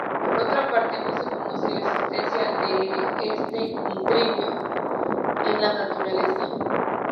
Por otra parte, no se conoce la existencia de este nitrilo en la naturaleza.